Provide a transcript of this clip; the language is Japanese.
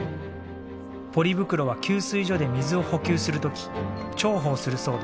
ポリ袋は給水所で水を補給する時重宝するそうです。